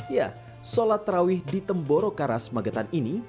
ya sholat terawih di temboro karas magetan ini